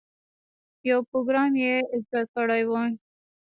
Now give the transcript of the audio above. یو پروګرام یې زده کړی وي.